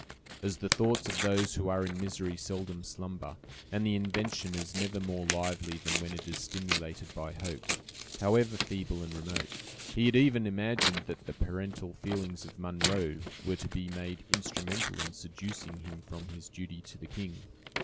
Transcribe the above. As the thoughts of those who are in misery seldom slumber, and the invention is never more lively than when it is stimulated by hope, however feeble and remote, he had even imagined that the parental feelings of Munro were to be made instrumental in seducing him from his duty to the king.